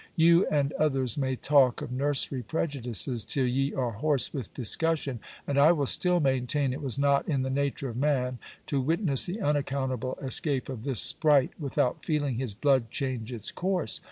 You and others may talk of nursery prejudices till ye are hoarse with discussion, and I will still maintain it was not in the nature of man to witness the unaccountable escape of this spright without feeling his blood change its course.